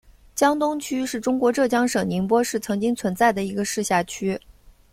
江东区是中国浙江省宁波市曾经存在的一个市辖区。